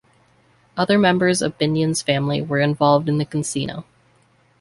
Other members of Binion's family were involved in the casino.